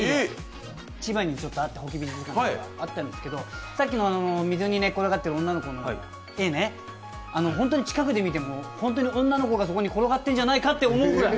千葉にあったホキ美術館があったんですけど、さっきの水にぬれてる女の子、本当に近くで見ても女の子がそこに転がってるんじゃないかと思うくらい。